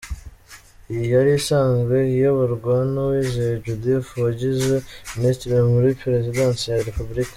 Iyi yari isanzwe iyoborwa na Uwizeye Judith wagizwe Minisitiri muri Perezidansi ya Repubulika.